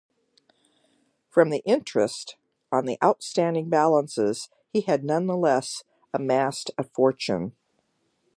From the interest on the outstanding balances, he had nonetheless amassed a fortune.